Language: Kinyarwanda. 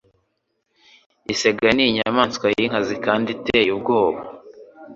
isega n'inyamanswa yinkazi kandi iteye ubwoba